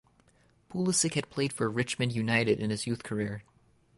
Pulisic had played for Richmond United in his youth career.